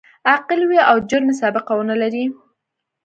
عاقل وي او جرمي سابقه و نه لري.